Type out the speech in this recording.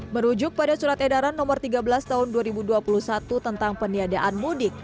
merujuk pada surat edaran no tiga belas tahun dua ribu dua puluh satu tentang peniadaan mudik